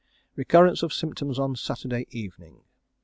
Recurrence of symptoms on Saturday evening.